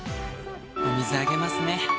お水あげますね。